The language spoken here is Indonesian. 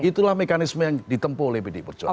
itulah mekanisme yang ditempuh oleh pdi perjuangan